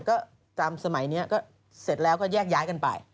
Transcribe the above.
ก็ตามสมัยนี้ก็เสร็จแล้วก็แยกย้ายกันไป